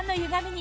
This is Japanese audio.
に